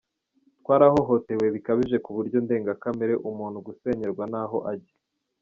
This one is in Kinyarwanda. Twarahohotewe bikabije ku buryo ndenga kamere, umuntu gusenyerwa ntaho ajya.”